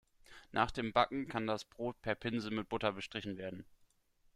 Nach dem Backen kann das Brot per Pinsel mit Butter bestrichen werden.